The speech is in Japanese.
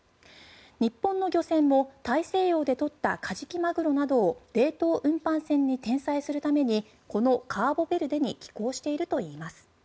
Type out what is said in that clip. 日本の漁船も大西洋で取ったカジキマグロなどを冷凍運搬船に転載するためにこのカボベルデに寄港しているといいます。